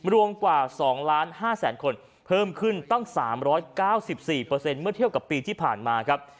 รวมกว่า๒๕๐๐๐คนเพิ่มขึ้นตั้ง๓๙๔เมื่อเทียบกับปีที่ผ่านมาครับ